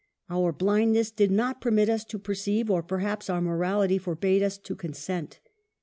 Our blindness did not permit us to per ceive, or perhaps our morality forbade us to consent.